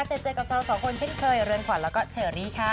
เจอเจอกับเราสองคนเช่นเคยเรือนขวัญแล้วก็เชอรี่ค่ะ